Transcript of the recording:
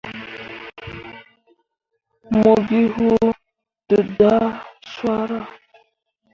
Mo gi huu dǝdah swara.